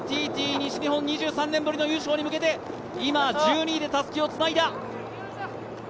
ＮＴＴ西日本、２３年ぶりの入賞に向けて１２位でたすきをつなげた。